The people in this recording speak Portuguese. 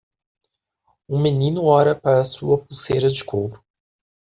Um menino olha para sua pulseira de couro.